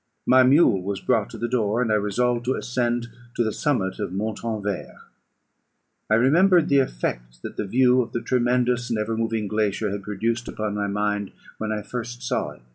My mule was brought to the door, and I resolved to ascend to the summit of Montanvert. I remembered the effect that the view of the tremendous and ever moving glacier had produced upon my mind when I first saw it.